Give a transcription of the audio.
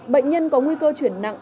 bệnh nhân có nguy cơ chuyển nặng